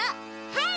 はい。